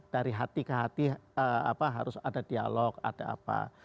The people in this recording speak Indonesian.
dari hati ke hati harus ada dialog ada apa